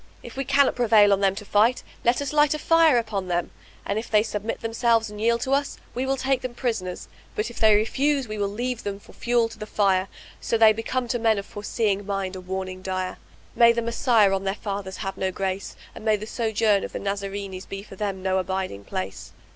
If we cannot prevail on them to fight, let us light a fire upon them;[FN#433] and if they submit themselves and yield to us, we will take them prisoners; but if they refuse we will leave them for fuel to the fire, so shall they become to men of foreseeing mind a warning dire. May the Messiah on their fathers have no grace, and may the sojourn of the Nazarenes be for them no abiding place!"